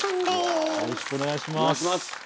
よろしくお願いします。